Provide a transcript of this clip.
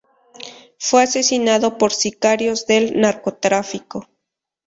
Fue asesinado por sicarios del narcotráfico.